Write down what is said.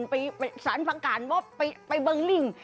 ไปสารพระการว่าไปเบิ้งลิ่ง